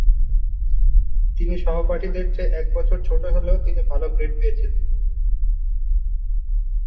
তিনি সহপাঠীদের চেয়ে এক বছর ছোট হলেও তিনি ভাল গ্রেড পেয়েছিলেন।